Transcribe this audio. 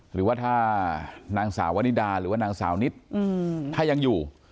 หรือว่าถ้านางสาววนิดาหรือว่านางสาวนิดถ้ายังอยู่